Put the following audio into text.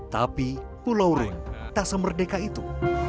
tapi pulau rune tak semerdeka itu